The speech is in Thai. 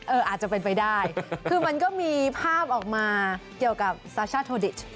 อาจจะเป็นไปได้คือมันก็มีภาพออกมาเกี่ยวกับซาช่าโทดิช